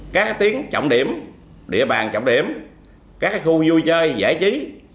các tiến trọng điểm địa bàn trọng điểm các khu vui chơi giải trí